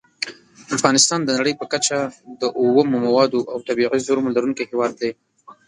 افغانستان د نړۍ په کچه د اومو موادو او طبیعي زېرمو لرونکی هیواد دی.